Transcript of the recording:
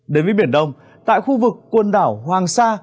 đến với biển đông tại khu vực quần đảo hoàng sa